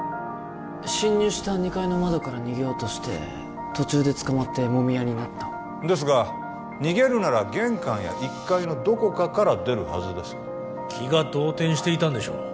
侵入した二階の窓から逃げようとして途中で捕まってもみ合いになったですが逃げるなら玄関や一階のどこかから出るはずです気が動転していたんでしょう